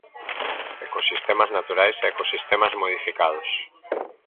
Ecosistemas naturais e ecosistemas modificados.